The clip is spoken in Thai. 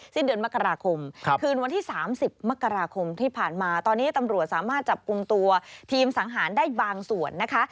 สิ้นเดือนมกราคมคืนวันที่๓๐มกราคมที่ผ่านมาตอนนี้ตำรวจสามารถจับกลุ่มตัวทีมสังหารได้บางส่วนนะคะ